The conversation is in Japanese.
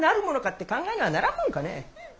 って考えにはならんもんかね。